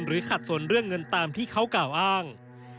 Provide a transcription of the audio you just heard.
ขัดสนเรื่องเงินตามที่เขากล่าวอ้าง